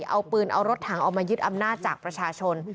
เอาปืนเอารถถังออกมายึดอำนาจจากประชาชน